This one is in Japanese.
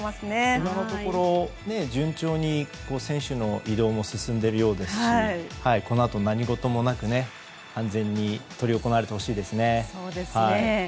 今のところ順調に選手の移動も進んでいるようですしこのあと何事もなく安全に執り行われてほしいですね。